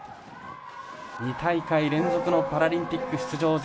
２大会連続のパラリンピック出場。